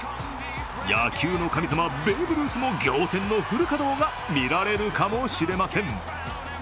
野球の神様、ベーブ・ルースも仰天のフル稼働が見られるかもしれません。